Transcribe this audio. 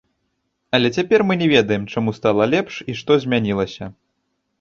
Але цяпер мы не ведаем, чаму стала лепш і што змянілася.